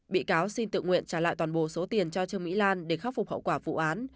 bị cáo xin tự nguyện trả lại toàn bộ số tiền cho trương mỹ lan để khắc phục hậu quả vụ án